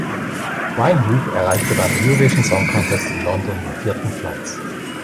Wyn Hoop erreichte beim Eurovision Song Contest in London den vierten Platz.